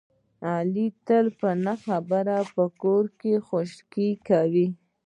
علي تل په نه خبره په کور کې خشکې کوي.